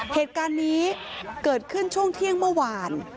เหตุการณ์นี้เกิดขึ้นช่วงเที่ยงเมื่อวาน